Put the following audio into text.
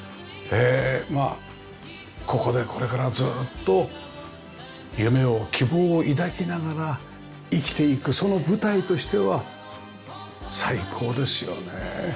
まあここでこれからずーっと夢を希望を抱きながら生きていくその舞台としては最高ですよねえ。